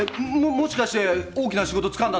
もしかして大きな仕事つかんだんですか？